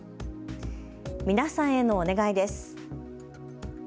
皆さんへのお願いです。